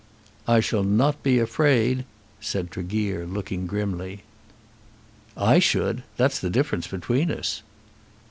"I shall not be afraid," said Tregear, looking grimly. "I should. That's the difference between us."